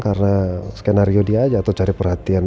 karena skenario dia aja atau cari perhatian